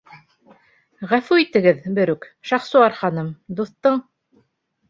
— Ғәфү итегеҙ, берүк, Шахсуар ханым, дуҫтың...